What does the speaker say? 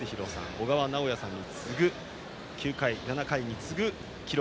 小川直也さんに次ぐ９回、７回に次ぐ記録